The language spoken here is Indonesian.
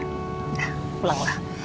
nah pulang lah